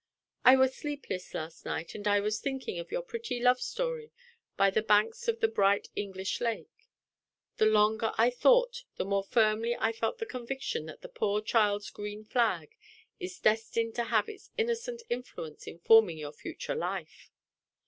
I was sleepless last night, and I was thinking of your pretty love story by the banks of the bright English lake. The longer I thought, the more firmly I felt the conviction that the poor child's green flag is destined to have its innocent influence in forming your future life.